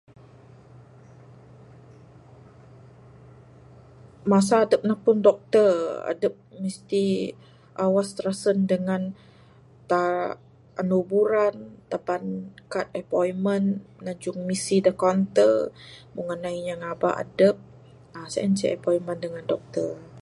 Masa adep napud doctor, adep misti awas trasen dengan tar anu buran taban card appointment, najung misi da counter, moh nganai inya ngaba adep aaa sien ceh appointment dengan doctor.